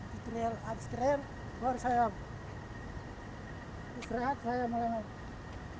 di trail abis trail baru saya bergerak saya mulai main basket